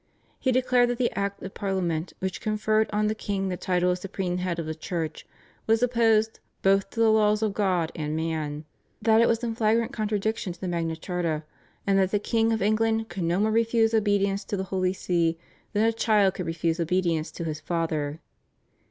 He declared that the Act of Parliament, which conferred on the king the title of supreme head of the Church, was opposed both to the laws of God and man, that it was in flagrant contradiction to the Magna Charta, and that the king of England could no more refuse obedience to the Holy See than a child could refuse obedience to his father.